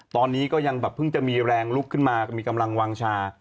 ตอนนี้ก็ยังแบบเพิ่งจะมีแรงลุกขึ้นมาก็มีกำลังวางชา